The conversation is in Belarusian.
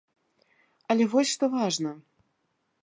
Але вось што важна.